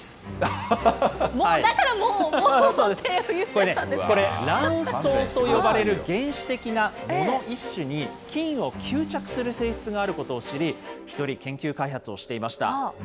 これね、これ、ラン藻と呼ばれる原始的な藻の一種に、金を吸着する性質があることを知り、１人、研究開発をしていました。